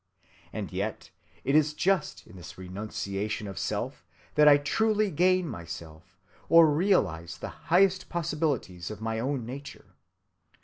And yet it is just in this renunciation of self that I truly gain myself, or realize the highest possibilities of my own nature.